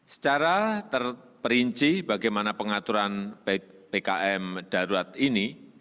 secara terperinci bagaimana pengaturan pkm darurat ini